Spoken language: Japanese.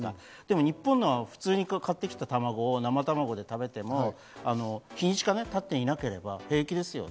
でも日本のは普通に買ってきた卵を生卵で食べても日にちが経っていなければ平気ですよね。